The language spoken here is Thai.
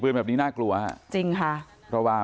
โปรดติดตามต่อไป